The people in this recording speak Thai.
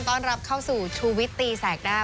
ต้อนรับเข้าสู่ชูวิตตีแสกหน้า